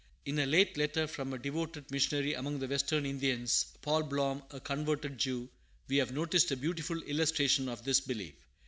In a late letter from a devoted missionary among the Western Indians (Paul Blohm, a converted Jew) we have noticed a beautiful illustration of this belief.